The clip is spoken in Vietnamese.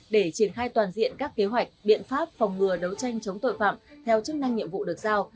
để triển khai toàn diện các kế hoạch biện pháp phòng ngừa đấu tranh chống tội phạm theo chức năng nhiệm vụ được giao